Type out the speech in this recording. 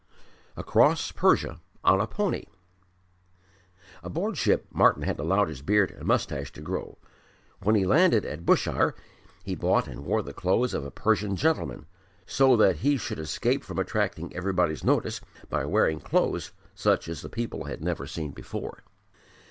Across Persia on a Pony Aboard ship Martyn had allowed his beard and moustache to grow. When he landed at Bushire he bought and wore the clothes of a Persian gentleman, so that he should escape from attracting everybody's notice by wearing clothes such as the people had never seen before.